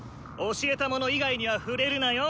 教えたもの以外には触れるなよ！